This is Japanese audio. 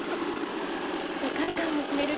世界観を決める